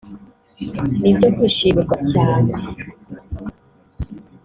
ni ibyo kwishimirwa cyane